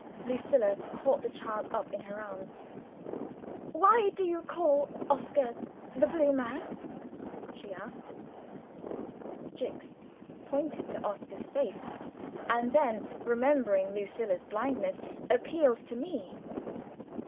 Lucilla caught the child up in her arms. "Why do you call Oscar 'The Blue Man'?" she asked. Jicks pointed to Oscar's face, and then, remembering Lucilla's blindness, appealed to me.